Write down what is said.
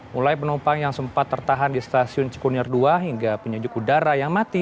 mulai penumpang yang sempat tertahan di stasiun cikunir dua hingga penyujuk udara yang mati